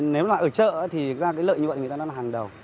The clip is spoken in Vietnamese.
nếu là ở chợ thì lợi như vậy người ta là hàng đầu